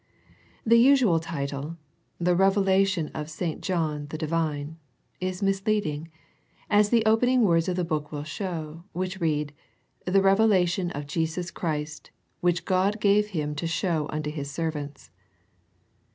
The usual title, "The Revelation of St. John, the Divine " is misleading, as the open ing words of the book will show, which read, " The Revelation of Jesus Christ, which God / gave Him to show unto His servants."